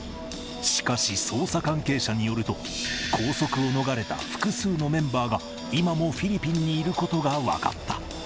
しかし、捜査関係者によると、拘束を逃れた複数のメンバーが、今もフィリピンにいることが分かった。